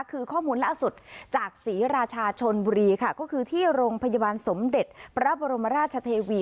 คือข้อมูลล่าสุดจากศรีราชาชนบุรีค่ะก็คือที่โรงพยาบาลสมเด็จพระบรมราชเทวี